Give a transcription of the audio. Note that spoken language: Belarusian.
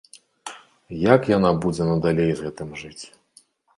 Як яна будзе надалей з гэтым жыць?